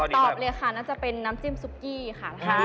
ตอบเลยค่ะน่าจะเป็นน้ำจิ้มซุกกี้ค่ะ